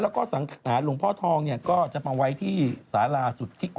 แล้วสำหรับหลวงพ่อทองก็จะมาไว้ที่สารสุทธิศ